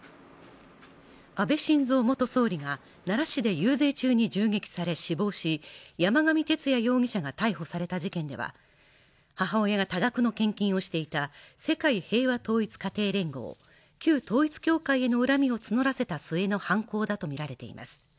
安倍晋三元総理が奈良市で遊説中に襲撃され死亡し山上徹也容疑者が逮捕された事件では母親が多額の献金をしていた世界平和統一家庭連合、旧統一教会への恨みを募らせた末の犯行だとみられています。